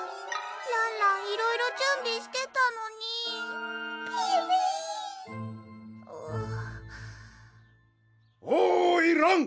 らんらんいろいろ準備してたのにピピーおいらん！